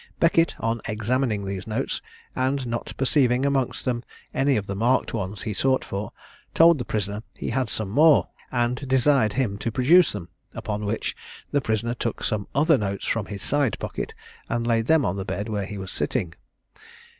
Beckett, on examining these notes, and not perceiving amongst them any of the marked ones he sought for, told the prisoner he had some more, and desired him to produce them; upon which the prisoner took some other notes from his side pocket, and laid them on the bed where he was sitting.